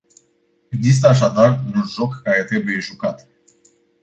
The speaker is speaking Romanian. Există așadar un joc care trebuie jucat.